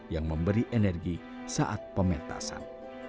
yang memberi energi saat pementasan